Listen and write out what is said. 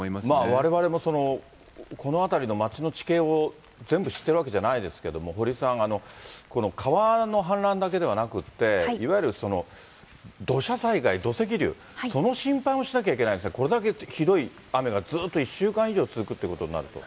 われわれもこの辺りの町の地形を全部知ってるわけじゃないですけれども、堀さん、この川の氾濫だけではなくて、いわゆる土砂災害、土石流、その心配もしなきゃいけないですね、これだけひどい雨がずっと１週間以上続くということになると。